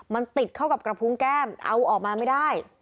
มันติดเข้ากับกระพุงแก้มเอาออกมาไม่ได้